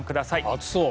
暑そう。